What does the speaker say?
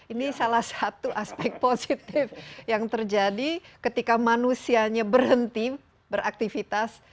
ini salah satu aspek positif yang terjadi ketika manusianya berhenti beraktivitas